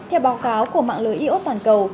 theo báo cáo của mạng lưới iốt toàn cầu